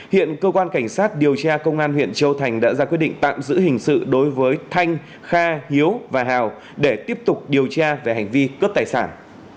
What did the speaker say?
hiện cơ quan cảnh sát điều tra công an huyện châu thành đã ra quyết định tạm giữ hình sự đối với thanh kha hiếu và hào để tiếp tục điều tra về hành vi cướp tài sản